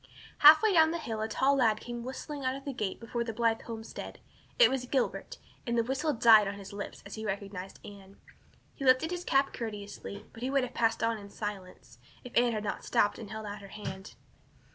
Halfway down the hill a tall lad came whistling out of a gate before the Blythe homestead. It was Gilbert, and the whistle died on his lips as he recognized Anne. He lifted his cap courteously, but he would have passed on in silence, if Anne had not stopped and held out her hand.